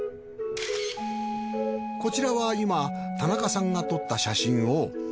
こちらは今田中さんが撮った写真を。